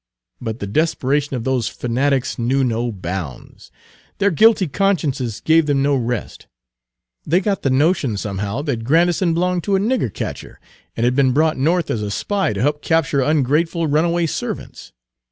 But the desperation of those fanatics knew no bounds; their guilty consciences gave them no rest. They got the notion somehow that Grandison belonged to a nigger catcher, and had been brought North as a spy to help capture ungrateful runaway servants.